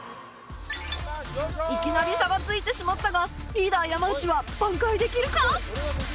いきなり差がついてしまったがリーダー山内は挽回できるか？